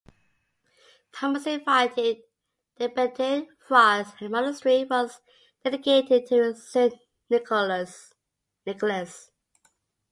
Thomas invited Benedictine friars and the monastery was dedicated to Saint Nicholas.